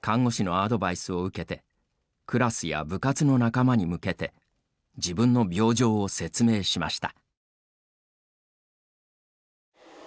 看護師のアドバイスを受けてクラスや部活の仲間に向けて自分の病状を説明しました。